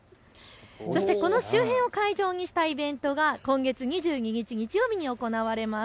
そしてこの周辺を会場にしたイベントが今月２２日、日曜日に行われます。